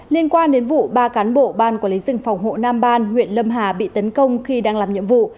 liên quan đến vụ ba cán bộ ban quản lý rừng phòng hộ nam ban huyện lâm hà bị tấn công khi đang làm nhiệm vụ